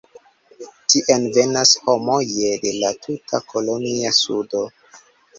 Tien venas homoje le la tuta kolonja sudo.